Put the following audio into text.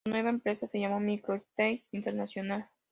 Su nueva empresa se llamó Micro Systems International.